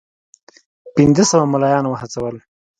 پنځه سوه مُلایان وهڅول.